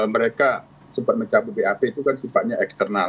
mereka sempat mencabut bap itu kan sifatnya eksternal